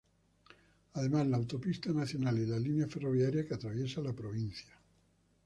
Además, la Autopista Nacional y la línea ferroviaria que atraviesa la provincia.